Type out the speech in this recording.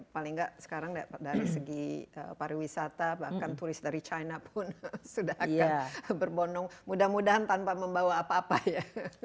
paling nggak sekarang dari segi pariwisata bahkan turis dari china pun sudah akan berbondong mudah mudahan tanpa membawa apa apa ya